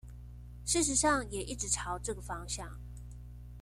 事實上也一直朝這個方向